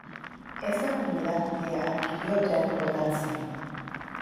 Esta comunidad judía adquirió gran importancia.